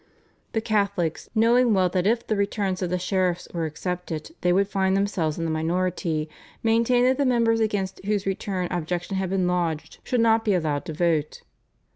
The Catholics, knowing well that if the returns of the sheriffs were accepted they would find themselves in the minority, maintained that the members against whose return objection had been lodged should not be allowed to vote.